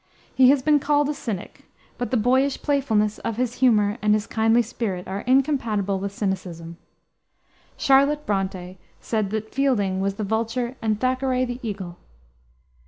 He has been called a cynic, but the boyish playfulness of his humor and his kindly spirit are incompatible with cynicism. Charlotte Bronté said that Fielding was the vulture and Thackeray the eagle.